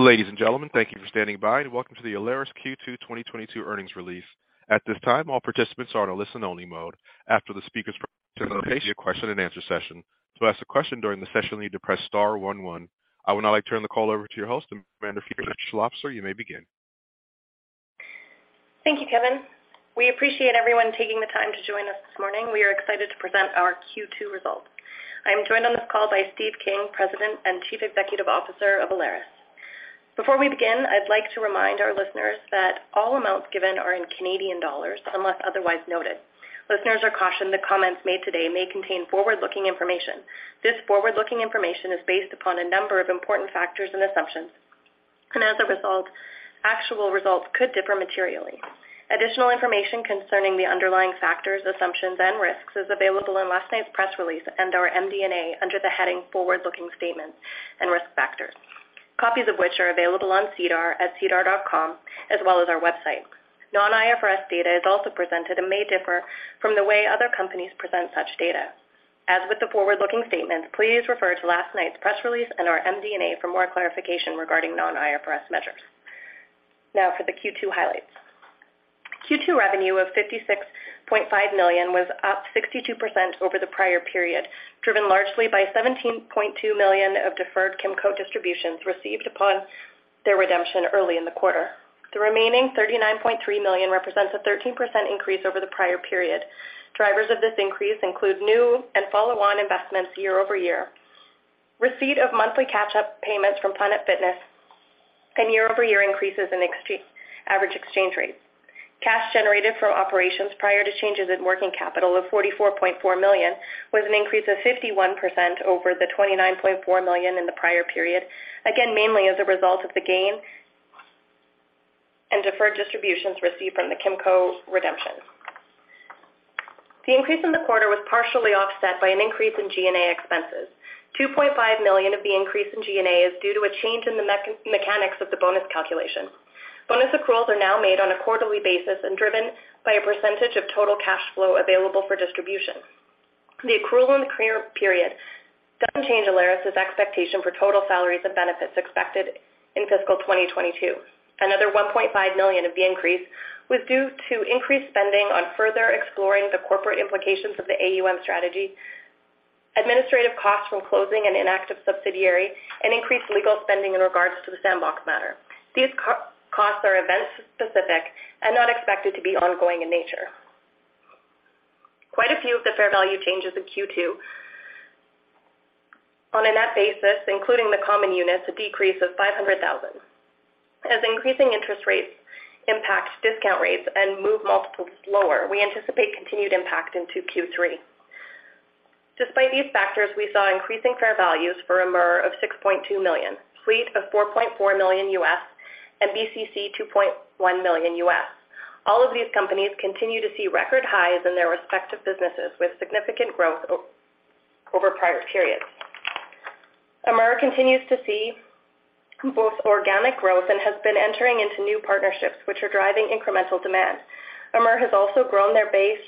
Ladies and gentlemen, thank you for standing by, and Welcome to the Alaris Q2 2022 Earnings Release. At this time, all participants are in a listen-only mode. After the speakers present, there will be a question-and-answer session. To ask a question during the session, you need to press star one one. I would now like to turn the call over to your host, Amanda. Thank you, Kevin. We appreciate everyone taking the time to join us this morning. We are excited to present our Q2 results. I am joined on this call by Steve King, President and Chief Executive Officer of Alaris. Before we begin, I'd like to remind our listeners that all amounts given are in Canadian dollars unless otherwise noted. Listeners are cautioned that comments made today may contain forward-looking information. This forward-looking information is based upon a number of important factors and assumptions, and as a result, actual results could differ materially. Additional information concerning the underlying factors, assumptions, and risks is available in last night's press release and our MD&A under the heading Forward-Looking Statements and Risk Factors, copies of which are available on SEDAR at sedar.com as well as our website. Non-IFRS data is also presented and may differ from the way other companies present such data. As with the forward-looking statements, please refer to last night's press release and our MD&A for more clarification regarding non-IFRS measures. Now for the Q2 highlights. Q2 revenue of 56.5 million was up 62% over the prior period, driven largely by 17.2 million of deferred Kimco distributions received upon their redemption early in the quarter. The remaining 39.3 million represents a 13% increase over the prior period. Drivers of this increase include new and follow-on investments year-over-year, receipt of monthly catch-up payments from Planet Fitness, and year-over-year increases in average exchange rates. Cash generated from operations prior to changes in working capital of 44.4 million was an increase of 51% over the 29.4 million in the prior period, again, mainly as a result of the gain and deferred distributions received from the Kimco redemption. The increase in the quarter was partially offset by an increase in G&A expenses. 2.5 million of the increase in G&A is due to a change in the mechanics of the bonus calculation. Bonus accruals are now made on a quarterly basis and driven by a percentage of total cash flow available for distribution. The accrual in the period doesn't change Alaris' expectation for total salaries and benefits expected in fiscal 2022. Another 1.5 million of the increase was due to increased spending on further exploring the corporate implications of the AUM strategy, administrative costs from closing an inactive subsidiary, and increased legal spending in regards to the Sandbox matter. These costs are event-specific and not expected to be ongoing in nature. Quite a few of the fair value changes in Q2 on a net basis, including the common units, a decrease of 500,000. Increasing interest rates impact discount rates and move multiples lower. We anticipate continued impact into Q3. Despite these factors, we saw increasing fair values for Amur of 6.2 million, Fleet of $4.4 million, and BCC of $2.1 million. All of these companies continue to see record highs in their respective businesses with significant growth over prior periods. Amur continues to see both organic growth and has been entering into new partnerships which are driving incremental demand. Amur has also grown their base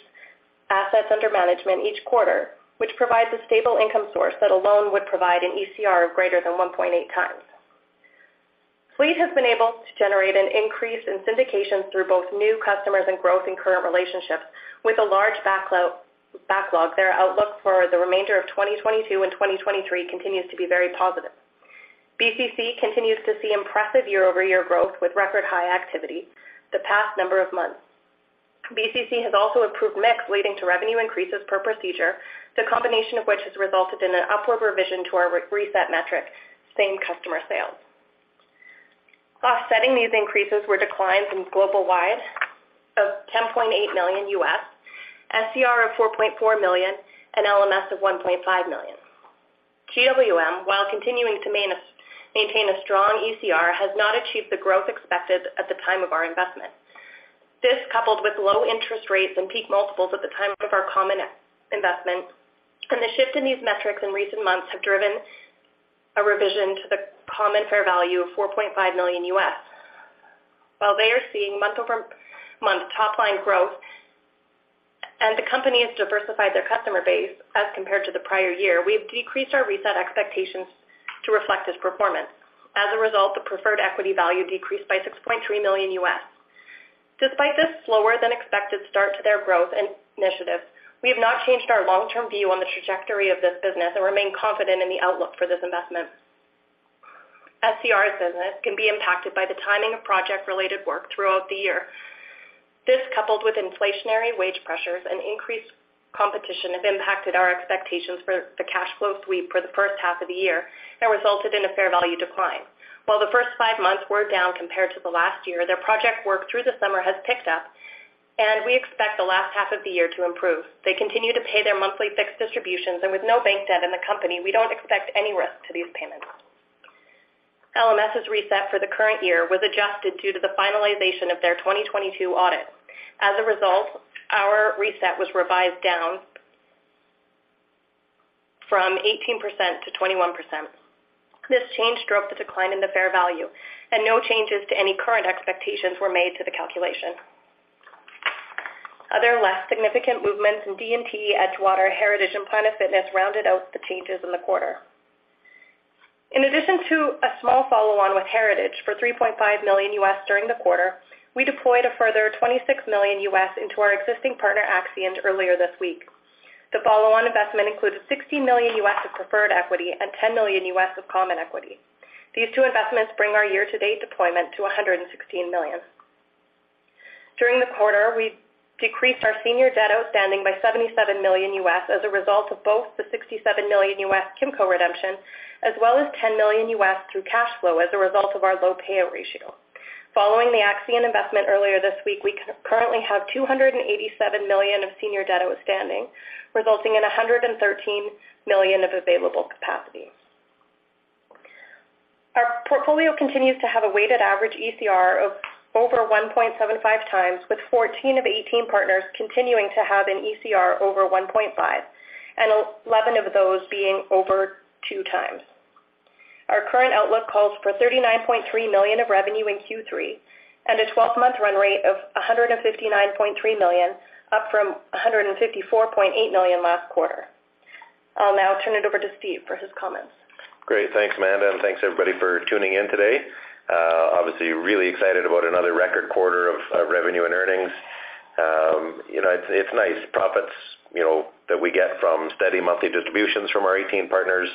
assets under management each quarter, which provides a stable income source that alone would provide an ECR of greater than 1.8x. Fleet has been able to generate an increase in syndications through both new customers and growth in current relationships. With a large backlog, their outlook for the remainder of 2022 and 2023 continues to be very positive. BCC continues to see impressive year-over-year growth with record high activity the past number of months. BCC has also improved mix leading to revenue increases per procedure, the combination of which has resulted in an upward revision to our reset metric, same customer sales. Offsetting these increases were declines in GlobalWide of $10.8 million, SCR of $4.4 million, and LMS of $1.5 million. GWM, while continuing to maintain a strong ECR, has not achieved the growth expected at the time of our investment. This coupled with low interest rates and peak multiples at the time of our common investment and the shift in these metrics in recent months have driven a revision to the common fair value of $4.5 million. While they are seeing month-over-month top-line growth and the company has diversified their customer base as compared to the prior year, we have decreased our reset expectations to reflect this performance. As a result, the preferred equity value decreased by $6.3 million. Despite this slower-than-expected start to their growth initiatives, we have not changed our long-term view on the trajectory of this business and remain confident in the outlook for this investment. SCR's business can be impacted by the timing of project-related work throughout the year. This coupled with inflationary wage pressures and increased competition has impacted our expectations for the cash flow sweep for the 1st half of the year and resulted in a fair value decline. While the 1st five months were down compared to the last year, their project work through the summer has picked up, and we expect the last half of the year to improve. They continue to pay their monthly fixed distributions, and with no bank debt in the company, we don't expect any risk to these payments. LMS's reset for the current year was adjusted due to the finalization of their 2022 audit. As a result, our reset was revised down from 18%-21%. This change drove the decline in the fair value, and no changes to any current expectations were made to the calculation. Other less significant movements in DNT, Edgewater, Heritage, and Planet Fitness rounded out the changes in the quarter. In addition to a small follow-on with Heritage for $3.5 million during the quarter, we deployed a further $26 million into our existing partner Axient earlier this week. The follow-on investment includes $60 million of preferred equity and $10 million of common equity. These two investments bring our year-to-date deployment to $116 million. During the quarter, we decreased our senior debt outstanding by $77 million as a result of both the $67 million Kimco redemption as well as $10 million through cash flow as a result of our low payout ratio. Following the Axient investment earlier this week, we currently have 287 million of senior debt outstanding, resulting in 113 million of available capacity. Our portfolio continues to have a weighted average ECR of over 1.75x, with 14 of 18 partners continuing to have an ECR over 1.5x, and eleven of those being over 2x. Our current outlook calls for 39.3 million of revenue in Q3 and a 12 month run rate of 159.3 million, up from 154.8 million last quarter. I'll now turn it over to Steve for his comments. Great. Thanks, Amanda, and thanks everybody for tuning in today. Obviously really excited about another record quarter of revenue and earnings. You know, it's nice profits, you know, that we get from steady monthly distributions from our 18 partners,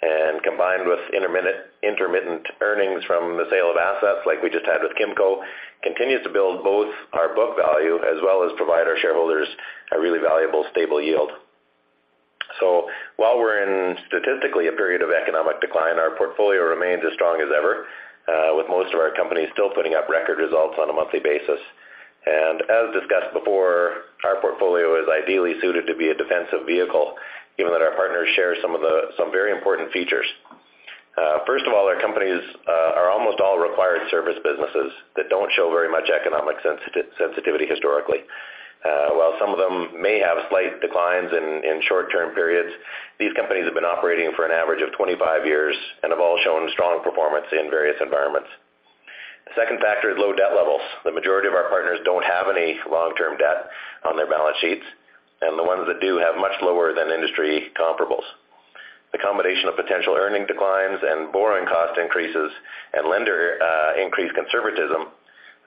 and combined with intermittent earnings from the sale of assets, like we just had with Kimco, continues to build both our book value as well as provide our shareholders a really valuable stable yield. While we're in statistically a period of economic decline, our portfolio remains as strong as ever, with most of our companies still putting up record results on a monthly basis. As discussed before, our portfolio is ideally suited to be a defensive vehicle, given that our partners share some very important features. First of all, our companies are almost all required service businesses that don't show very much economic sensitivity historically. While some of them may have slight declines in short-term periods, these companies have been operating for an average of 25 years and have all shown strong performance in various environments. The 2nd factor is low debt levels. The majority of our partners don't have any long-term debt on their balance sheets, and the ones that do have much lower than industry comparables. The combination of potential earnings declines and borrowing cost increases and lender increased conservatism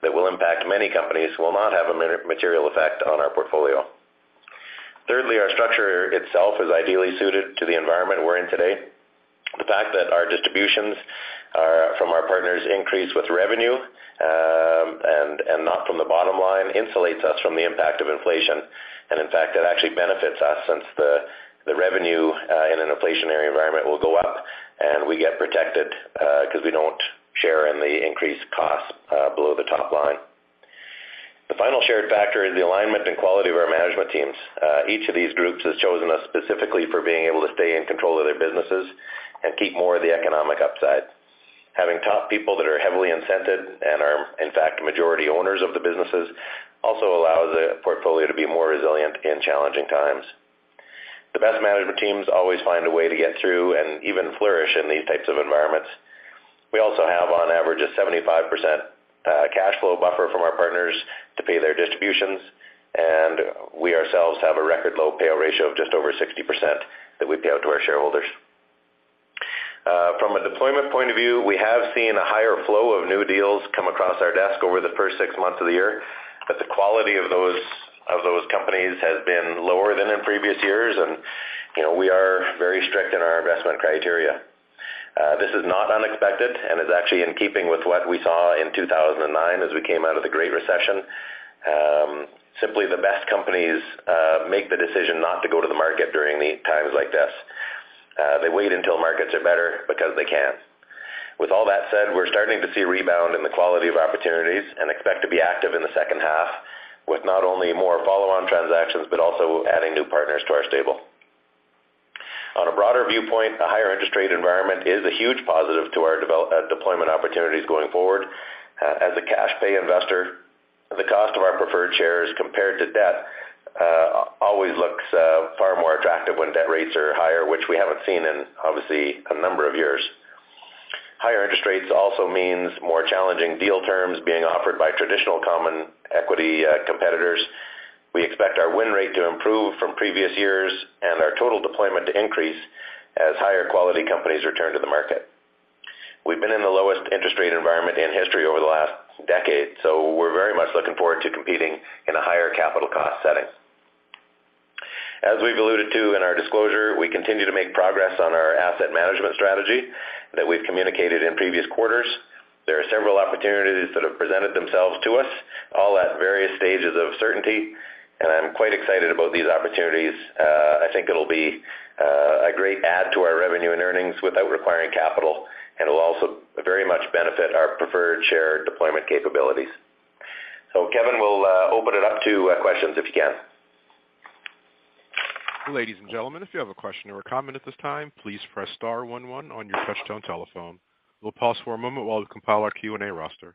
that will impact many companies will not have a material effect on our portfolio. Thirdly, our structure itself is ideally suited to the environment we're in today. The fact that our distributions from our partners increase with revenue, and not from the bottom line insulates us from the impact of inflation. In fact, it actually benefits us since the revenue in an inflationary environment will go up, and we get protected 'cause we don't share in the increased costs below the top line. The final shared factor is the alignment and quality of our management teams. Each of these groups has chosen us specifically for being able to stay in control of their businesses and keep more of the economic upside. Having top people that are heavily incented and are, in fact, majority owners of the businesses also allows the portfolio to be more resilient in challenging times. The best management teams always find a way to get through and even flourish in these types of environments. We also have on average a 75% cash flow buffer from our partners to pay their distributions, and we ourselves have a record low payout ratio of just over 60% that we pay out to our shareholders. From a deployment point of view, we have seen a higher flow of new deals come across our desk over the 1st six months of the year, but the quality of those companies has been lower than in previous years. You know, we are very strict in our investment criteria. This is not unexpected and is actually in keeping with what we saw in 2009 as we came out of the Great Recession. Simply the best companies make the decision not to go to the market during the times like this. They wait until markets are better because they can. With all that said, we're starting to see a rebound in the quality of opportunities and expect to be active in the 2nd half with not only more follow-on transactions but also adding new partners to our stable. On a broader viewpoint, a higher interest rate environment is a huge positive to our deployment opportunities going forward. As a cash pay investor, the cost of our preferred shares compared to debt always looks far more attractive when debt rates are higher, which we haven't seen in, obviously, a number of years. Higher interest rates also means more challenging deal terms being offered by traditional common equity competitors. We expect our win rate to improve from previous years and our total deployment to increase as higher quality companies return to the market. We've been in the lowest interest rate environment in history over the last decade, so we're very much looking forward to competing in a higher capital cost setting. As we've alluded to in our disclosure, we continue to make progress on our asset management strategy that we've communicated in previous quarters. There are several opportunities that have presented themselves to us, all at various stages of certainty, and I'm quite excited about these opportunities. I think it'll be a great add to our revenue and earnings without requiring capital and will also very much benefit our preferred share deployment capabilities. Kevin will open it up to questions if you can. Ladies and gentlemen, if you have a question or a comment at this time, please press star one one on your touchtone telephone. We'll pause for a moment while we compile our Q&A roster.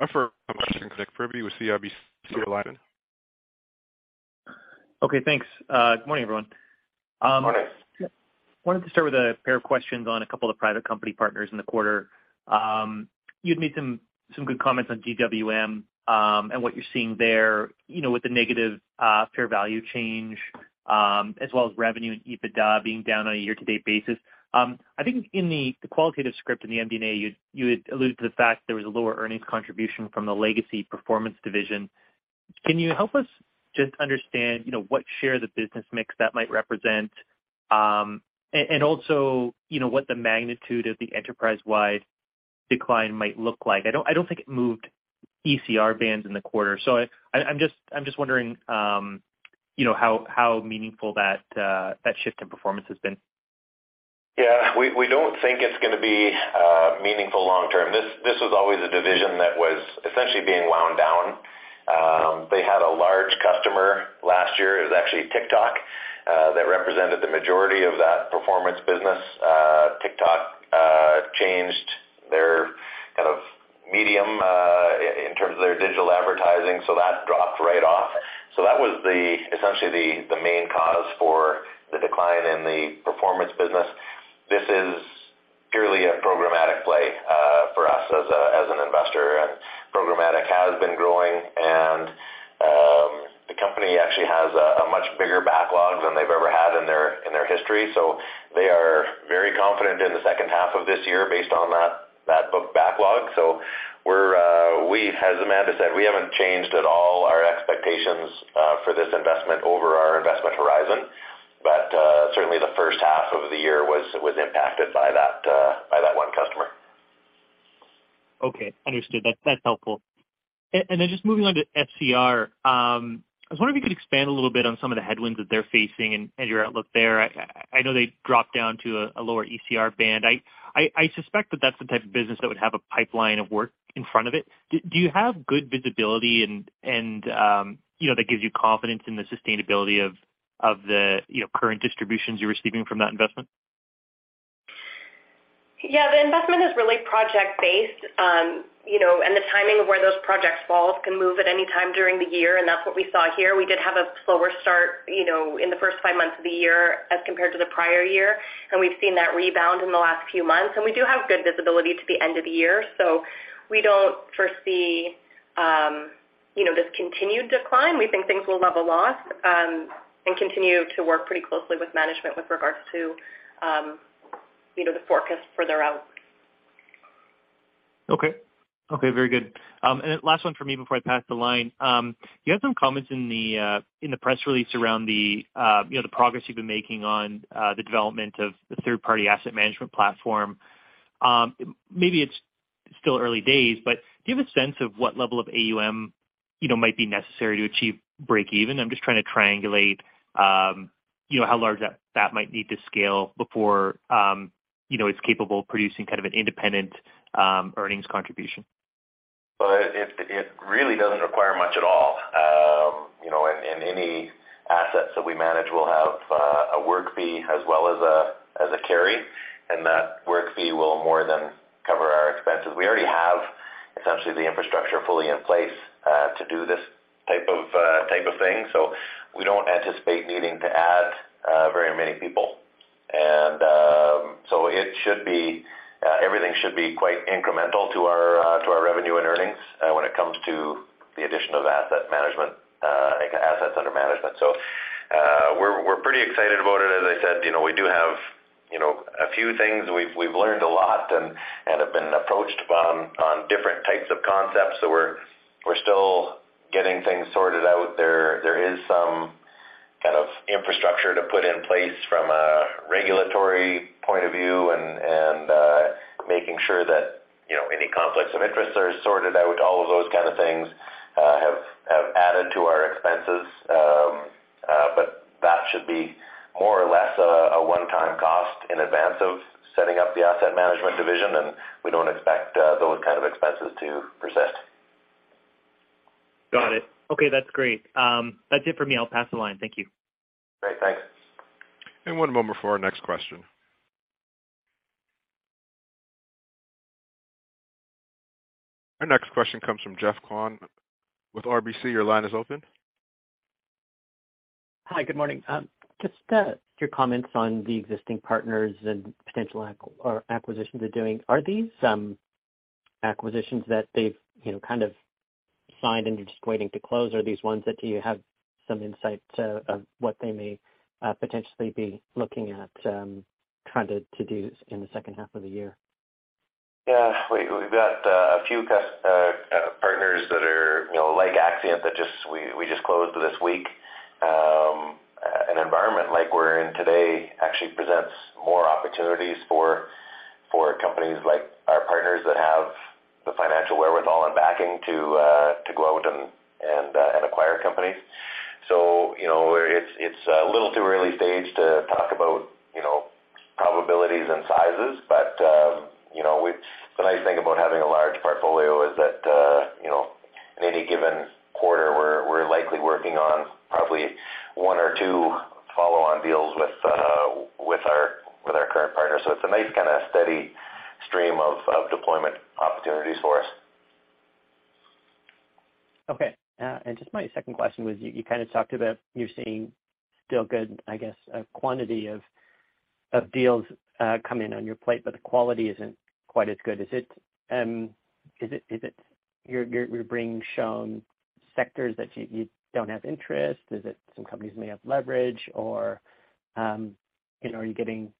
Operator, our next question comes from Nik Priebe with CIBC. Your line is open. Okay, thanks. Good morning, everyone. Morning. Wanted to start with a pair of questions on a couple of private company partners in the quarter. You'd made some good comments on GWM, and what you're seeing there, you know, with the negative fair value change, as well as revenue and EBITDA being down on a year-to-date basis. I think in the qualitative script in the MD&A, you had alluded to the fact there was a lower earnings contribution from the legacy performance division. Can you help us just understand, you know, what share of the business mix that might represent? Also, you know, what the magnitude of the enterprise-wide decline might look like? I don't think it moved ECR bands in the quarter. I'm just wondering, you know, how meaningful that shift in performance has been. Yeah. We don't think it's gonna be meaningful long term. This was always a division that was essentially being wound down. They had a large customer last year. It was actually TikTok that represented the majority of that performance business. TikTok changed their kind of media in terms of their digital advertising, so that dropped right off. That was essentially the main cause for the decline in the performance business. This is purely a programmatic play for us as an investor. Programmatic has been growing and the company actually has a much bigger backlog than they've ever had in their history. They are very confident in the 2nd half of this year based on that booked backlog. As Amanda said, we haven't changed at all our expectations for this investment over our investment horizon. Certainly the 1st half of the year was impacted by that one customer. Okay, understood. That's helpful. Just moving on to ECR. I was wondering if you could expand a little bit on some of the headwinds that they're facing and your outlook there. I know they dropped down to a lower ECR band. I suspect that that's the type of business that would have a pipeline of work in front of it. Do you have good visibility and, you know, that gives you confidence in the sustainability of the current distributions you're receiving from that investment? Yeah. The investment is really project based. You know, the timing of where those projects fall can move at any time during the year, and that's what we saw here. We did have a slower start, you know, in the 1st five months of the year as compared to the prior year, and we've seen that rebound in the last few months. We do have good visibility to the end of the year. We don't foresee, you know, this continued decline. We think things will level off, and continue to work pretty closely with management with regards to, you know, the forecast for their outlook. Okay. Okay, very good. Last one from me before I pass the line. You had some comments in the press release around the, you know, the progress you've been making on the development of the 3rd-party asset management platform. Maybe it's still early days, but do you have a sense of what level of AUM, you know, might be necessary to achieve break even? I'm just trying to triangulate, you know, how large that might need to scale before, you know, it's capable of producing kind of an independent earnings contribution. Well, it really doesn't require much at all. You know, any assets that we manage will have a work fee as well as a carry, and that work fee will more than cover our expenses. We already have essentially the infrastructure fully in place to do this type of thing. We don't anticipate needing to add very many people. Everything should be quite incremental to our revenue and earnings when it comes to the addition of assets under management. We're pretty excited about it. As I said, you know, we do have, you know, a few things. We've learned a lot and have been approached on different types of concepts, so we're still getting things sorted out. There is some kind of infrastructure to put in place from a regulatory point of view and making sure that, you know, any conflicts of interest are sorted out. All of those kind of things have added to our expenses. But that should be more or less a one-time cost in advance of setting up the asset management division, and we don't expect those kind of expenses to persist. Got it. Okay, that's great. That's it for me. I'll pass the line. Thank you. Great. Thanks. One moment for our next question. Our next question comes from Geoffrey Kwan with RBC. Your line is open. Hi. Good morning. Just your comments on the existing partners and potential acquisitions they're doing, are these acquisitions that they've, you know, kind of signed and are just waiting to close? Or are these ones that you have some insight into, of what they may potentially be looking at, trying to do in the 2nd half of the year? Yeah. We've got a few partners that are, you know, like Axient that we just closed this week. An environment like we're in today actually presents more opportunities for companies like our partners that have the financial wherewithal and backing to go out and acquire companies. You know, it's a little too early stage to talk about, you know, probabilities and sizes. The nice thing about having a large portfolio is that, you know, in any given quarter, we're likely working on probably one or two follow-on deals with our current partners. It's a nice kinda steady stream of deployment opportunities for us. Just my 2nd question was you kinda talked about you're seeing still good, I guess, quantity of deals coming on your plate, but the quality isn't quite as good. Is it you're being shown sectors that you don't have interest? Is it some companies may have leverage or, you know, are you getting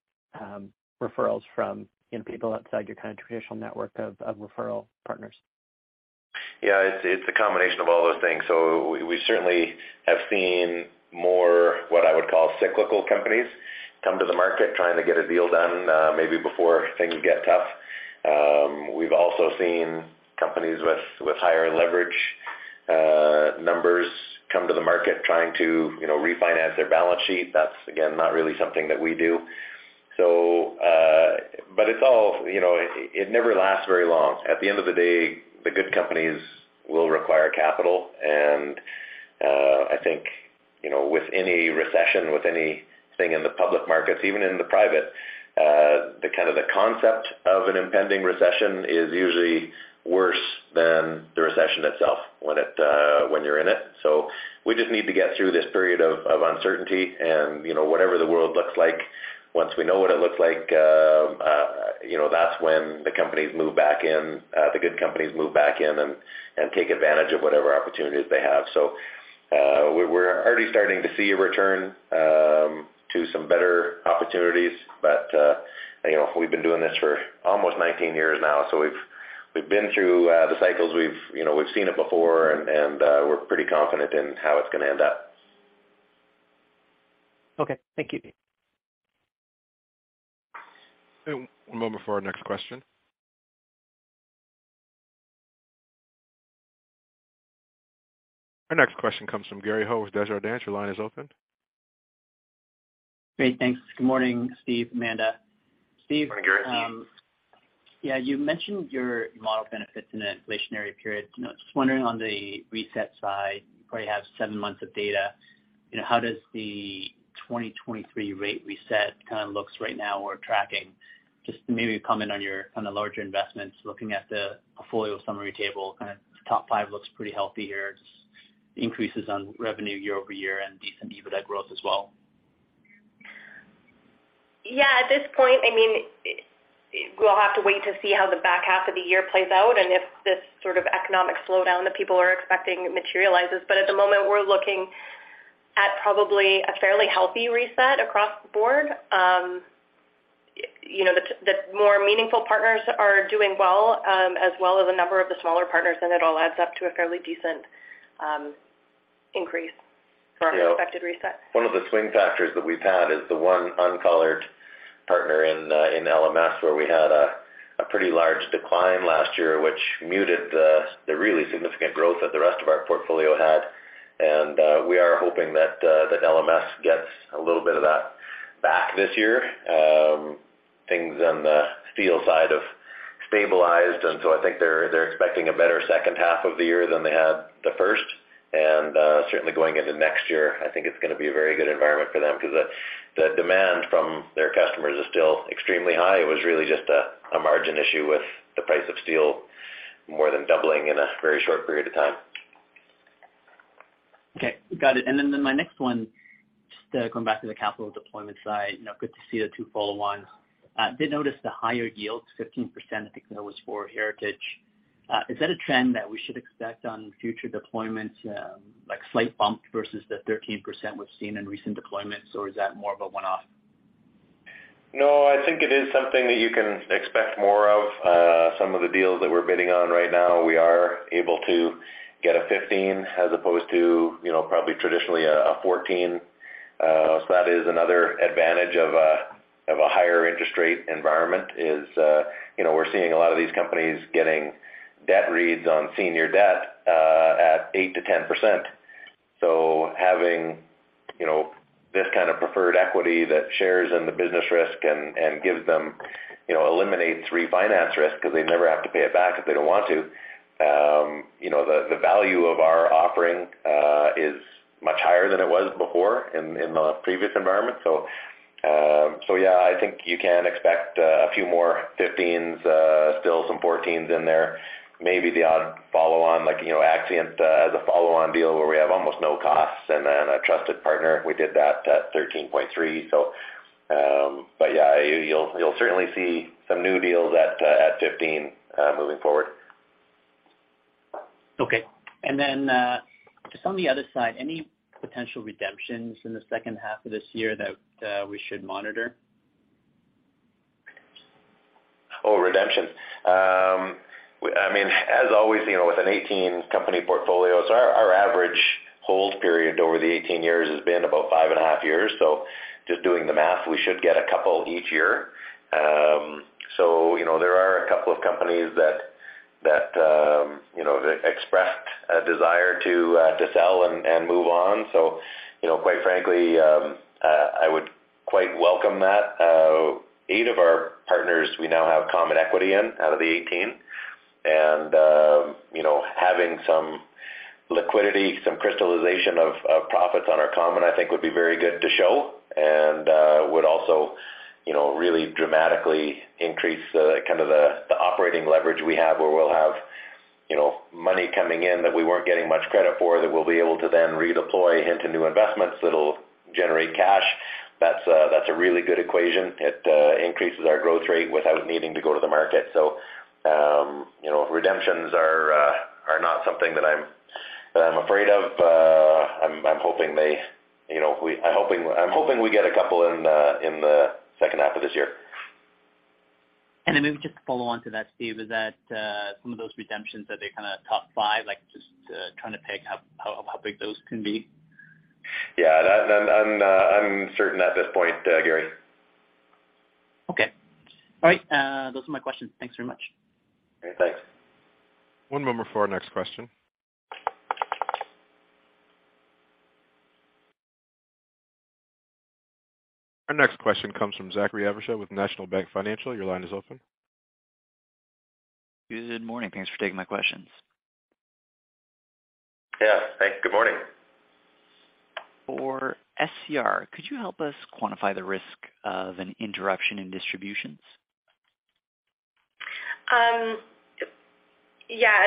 referrals from, you know, people outside your kind of traditional network of referral partners? Yeah, it's a combination of all those things. We certainly have seen more, what I would call cyclical companies come to the market trying to get a deal done, maybe before things get tough. We've also seen companies with higher leverage numbers come to the market trying to, you know, refinance their balance sheet. That's again, not really something that we do. It's all, you know, it never lasts very long. At the end of the day, the good companies will require capital and I think, you know, with any recession, with anything in the public markets, even in the private, the kind of the concept of an impending recession is usually worse than the recession itself when you're in it. We just need to get through this period of uncertainty and, you know, whatever the world looks like. Once we know what it looks like, you know, that's when the companies move back in, the good companies move back in and take advantage of whatever opportunities they have. We're already starting to see a return to some better opportunities. You know, we've been doing this for almost 19 years now, so we've been through the cycles. You know, we've seen it before and we're pretty confident in how it's gonna end up. Okay. Thank you. One moment for our next question. Our next question comes from Gary Ho with Desjardins. Your line is open. Great. Thanks. Good morning, Steve, Amanda. Good morning, Gary. Steve, yeah, you mentioned your model benefits in an inflationary period. You know, just wondering on the reset side, you probably have seven months of data. You know, how does the 2023 rate reset kinda looks right now or tracking? Just maybe comment on the larger investments, looking at the portfolio summary table, kinda top five looks pretty healthy here. Just increases on revenue year-over-year and decent EBITDA growth as well. Yeah. At this point, I mean, we'll have to wait to see how the back half of the year plays out, and if this sort of economic slowdown that people are expecting materializes. At the moment, we're looking at probably a fairly healthy reset across the board. You know, the more meaningful partners are doing well, as well as a number of the smaller partners, and it all adds up to a fairly decent increase for our expected reset. One of the swing factors that we've had is the one uncollared partner in LMS, where we had a pretty large decline last year, which muted the really significant growth that the rest of our portfolio had. We are hoping that LMS gets a little bit of that back this year. Things on the steel side have stabilized, and so I think they're expecting a better 2nd half of the year than they had the 1st. Certainly going into next year, I think it's gonna be a very good environment for them 'cause the demand from their customers is still extremely high. It was really just a margin issue with the price of steel more than doubling in a very short period of time. Okay. Got it. My next one, just going back to the capital deployment side, you know, good to see the two follow on. Did notice the higher yields, 15%, I think that was for Heritage. Is that a trend that we should expect on future deployments, like slight bump versus the 13% we've seen in recent deployments, or is that more of a one-off? No, I think it is something that you can expect more of. Some of the deals that we're bidding on right now, we are able to get a 15% as opposed to, you know, probably traditionally a 14%. So that is another advantage of a higher interest rate environment is, you know, we're seeing a lot of these companies getting debt rates on senior debt at 8%-10%. So having, you know, this kind of preferred equity that shares in the business risk and gives them, you know, eliminates refinance risk because they never have to pay it back if they don't want to, you know, the value of our offering is much higher than it was before in the previous environment. Yeah, I think you can expect a few more 15%, still some 14% in there. Maybe the odd follow-on like, you know, Axient, as a follow-on deal where we have almost no costs and a trusted partner, we did that at 13.3%. But yeah, you'll certainly see some new deals at 15% moving forward. Okay. Just on the other side, any potential redemptions in the 2nd half of this year that we should monitor? Oh, redemptions. I mean, as always, you know, with an 18 company portfolio, our average hold period over the 18 years has been about five and a half years. Just doing the math, we should get a couple each year. You know, there are a couple of companies that, you know, they expressed a desire to sell and move on. You know, quite frankly, I would quite welcome that. Eight of our partners, we now have common equity in out of the 18 and, you know, having some liquidity, some crystallization of profits on our common, I think would be very good to show and, would also, you know, really dramatically increase the kind of the operating leverage we have, where we'll have, you know, money coming in that we weren't getting much credit for, that we'll be able to then redeploy into new investments that'll generate cash. That's a really good equation. It increases our growth rate without needing to go to the market. You know, redemptions are not something that I'm afraid of. I'm hoping they, you know, we get a couple in the 2nd half of this year. Maybe just to follow on to that, Steve, is that some of those redemptions are they kinda top five? Like, just trying to pick how big those can be. Yeah. That I'm certain at this point, Gary. Okay. All right. Those are my questions. Thanks very much. Okay, thanks. One moment for our next question. Our next question comes from Zachary Evershed with National Bank Financial. Your line is open. Good morning. Thanks for taking my questions. Yeah. Thanks. Good morning. For SCR, could you help us quantify the risk of an interruption in distributions? At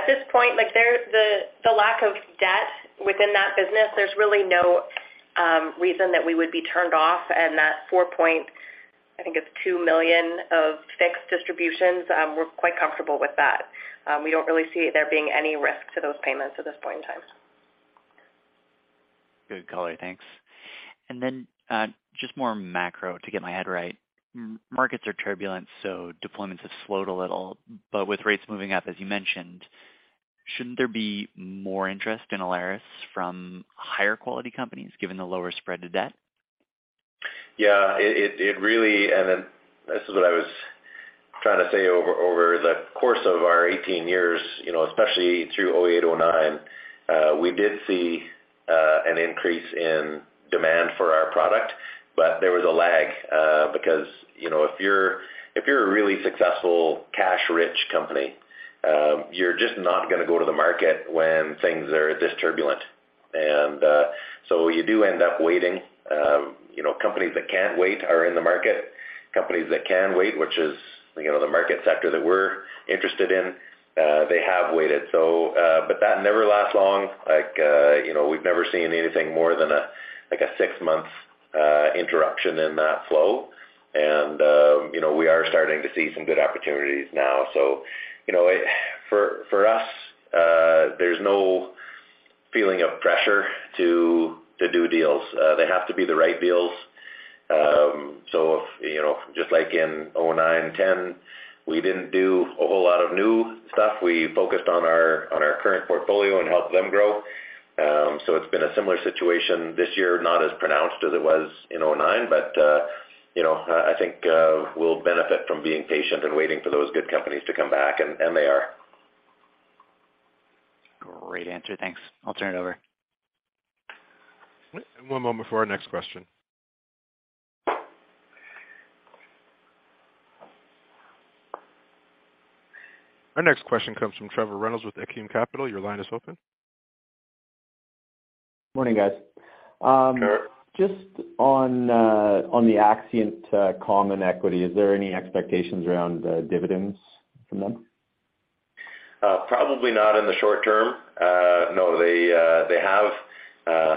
this point, like, the lack of debt within that business, there's really no reason that we would be turned off. That 4.2 million of fixed distributions, we're quite comfortable with that. We don't really see there being any risk to those payments at this point in time. Good call. Thanks. Just more macro to get my head right. Mm-hmm. Markets are turbulent, so deployments have slowed a little. With rates moving up, as you mentioned, shouldn't there be more interest in Alaris from higher quality companies, given the lower spread to debt? Yeah. It really is what I was trying to say over the course of our 18 years, you know, especially through 2008, 2009, we did see an increase in demand for our product. There was a lag, because, you know, if you're a really successful cash-rich company, you're just not gonna go to the market when things are this turbulent. You do end up waiting. You know, companies that can't wait are in the market. Companies that can wait, which is, you know, the market sector that we're interested in, they have waited. But that never lasts long. Like, you know, we've never seen anything more than a six-month interruption in that flow. You know, we are starting to see some good opportunities now. For us, there's no feeling of pressure to do deals. They have to be the right deals. You know, just like in 2009 and 2010, we didn't do a whole lot of new stuff. We focused on our current portfolio and helped them grow. It's been a similar situation this year, not as pronounced as it was in 2009, but you know, I think we'll benefit from being patient and waiting for those good companies to come back, and they are. Great answer. Thanks. I'll turn it over. One moment for our next question. Our next question comes from Trevor Reynolds with Acumen Capital. Your line is open. Morning, guys. Trevor. Just on the Axient common equity, is there any expectations around dividends from them? Probably not in the short term. No. They have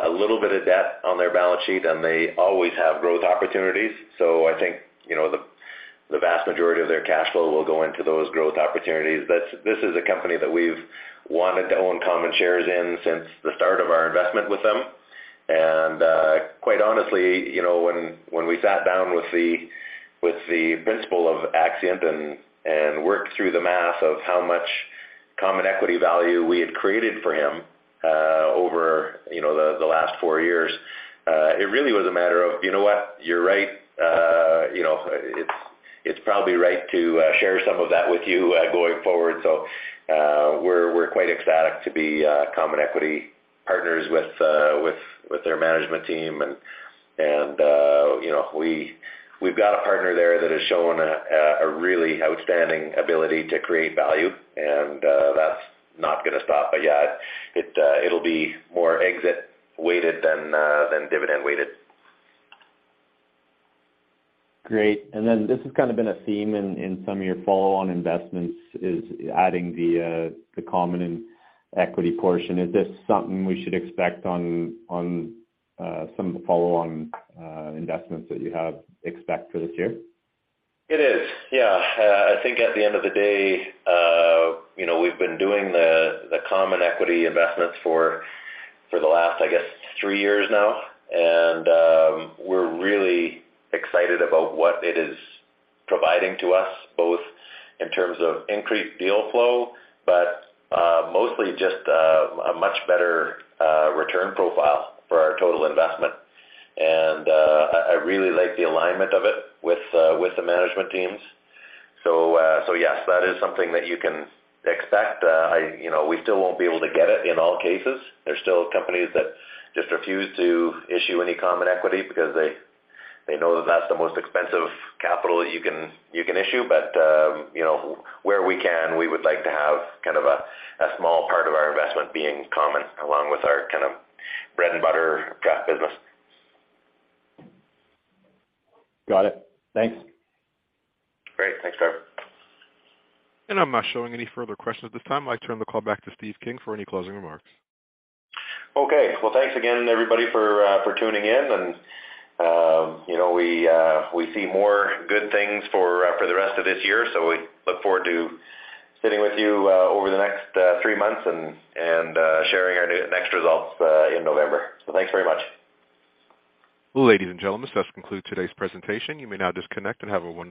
a little bit of debt on their balance sheet, and they always have growth opportunities. I think, you know, the vast majority of their cash flow will go into those growth opportunities. This is a company that we've wanted to own common shares in since the start of our investment with them. Quite honestly, you know, when we sat down with the principal of Axient and worked through the math of how much common equity value we had created for him, over, you know, the last four years, it really was a matter of, "You know what? You're right. You know, it's probably right to share some of that with you, going forward." We're quite ecstatic to be common equity partners with their management team. You know, we've got a partner there that has shown a really outstanding ability to create value, and that's not gonna stop. Yeah, it'll be more exit-weighted than dividend-weighted. Great. Then this has kinda been a theme in some of your follow-on investments, is adding the common and equity portion. Is this something we should expect on some of the follow-on investments that you have expect for this year? It is. Yeah. I think at the end of the day, you know, we've been doing the common equity investments for the last, I guess, three years now. We're really excited about what it is providing to us, both in terms of increased deal flow, but mostly just a much better return profile for our total investment. I really like the alignment of it with the management teams. Yes, that is something that you can expect. You know, we still won't be able to get it in all cases. There's still companies that just refuse to issue any common equity because they know that that's the most expensive capital you can issue. You know, where we can, we would like to have kind of a small part of our investment being common, along with our kind of bread and butter debt business. Got it. Thanks. Great. Thanks, Trevor. I'm not showing any further questions at this time. I turn the call back to Steve King for any closing remarks. Okay. Well, thanks again, everybody, for tuning in. You know, we see more good things for the rest of this year, so we look forward to sitting with you over the next three months and sharing our next results in November. Thanks very much. Ladies and gentlemen, this does conclude today's presentation. You may now disconnect and have a wonderful day.